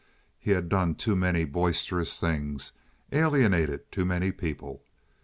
He had done too many boisterous things—alienated too many people.